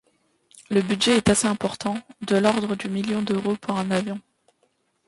Le budget est assez important; de l'ordre du million d'euros pour un avion.